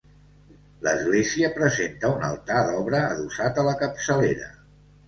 L'església presenta un altar d'obra adossat a la capçalera.